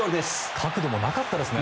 角度もなかったですからね。